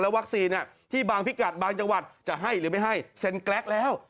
วัคซีนที่บางพิกัดบางจังหวัดจะให้หรือไม่ให้เซ็นแกรกแล้ว